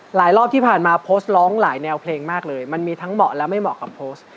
รอบที่ผ่านมาโพสต์ร้องหลายแนวเพลงมากเลยมันมีทั้งเหมาะและไม่เหมาะกับโพสต์